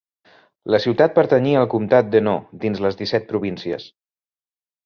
La ciutat pertanyia al comtat d'Hainaut dins les Disset Províncies.